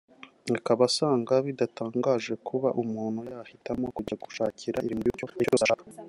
Akaba asanga bidatangaje kuba umuntu yahitamo kujya gushakira imirimo mu gihugu icyo ari cyo cyose ashaka